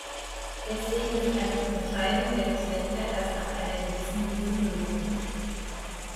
Deswegen ist eine Unterscheidung der Geschlechter erst ab einer gewissen Größe möglich.